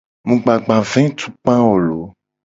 Mu gba vetukpa a o loo.